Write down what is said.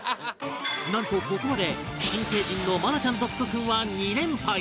なんとここまで新成人の愛菜ちゃんと福君は２連敗